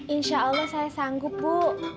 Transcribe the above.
insya allah saya sanggup bu